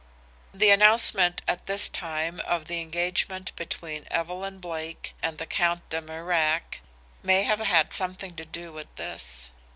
"The announcement at this time of the engagement between Evelyn Blake and the Count De Mirac may have had something to do with this.